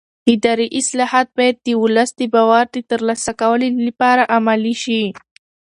اداري اصلاحات باید د ولس د باور د ترلاسه کولو لپاره عملي شي